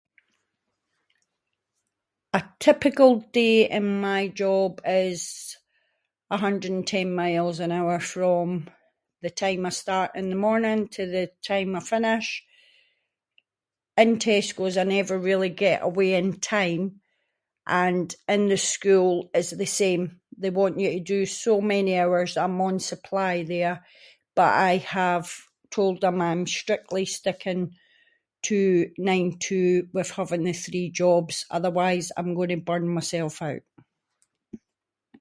A typical day in my job is a hundred and ten miles an hour from the time I start in the morning to the time I finish. In Tesco’s I never really get away in time and in the school is the same, they want you to do so many hours, I’m on supply there, but I have told them I’m strictly sticking to nine-two with having the three jobs, otherwise I’m gonna burn myself out.